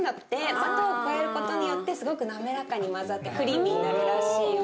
砂糖を加えることによってすごく滑らかに混ざってクリーミーになるらしいよ。